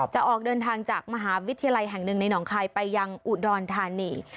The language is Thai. จะออกเดินทางจากมหาวิทยาลัยแห่งหนึ่งในหนองคายไปยังอุดรธานี